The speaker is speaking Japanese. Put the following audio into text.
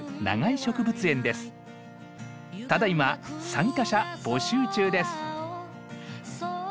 ただいま参加者募集中です。